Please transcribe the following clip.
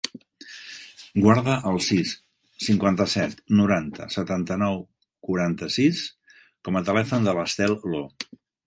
Guarda el sis, cinquanta-set, noranta, setanta-nou, quaranta-sis com a telèfon de l'Estel Lo.